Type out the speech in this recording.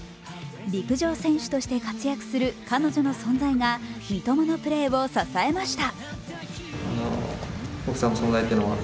陸上選手として活躍する彼女の存在が三笘のプレーを支えました。